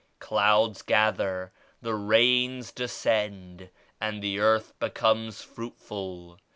Clouds gather, the rains descend and the earth becomes fruitful.